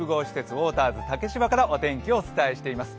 ウォーターズ竹芝からお天気をお伝えしています。